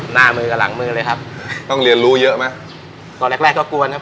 หน้ามือกับหลังมือเลยครับต้องเรียนรู้เยอะไหมตอนแรกแรกก็กลัวนะครับ